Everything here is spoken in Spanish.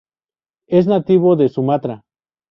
Es nativo de Sumatra.